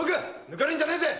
抜かるんじゃねえぜ。